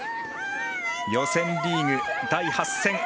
予選リーグ、第８戦。